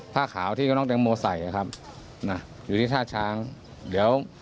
เก็บได้หรือยังค่ะหรือว่าอย่างนี้